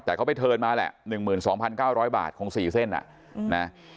แต่เขาไปเทิร์นมาแหละ๑๒๙๐๐บาทของ๔เส้น